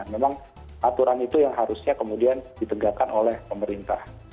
memang aturan itu yang harusnya kemudian ditegakkan oleh pemerintah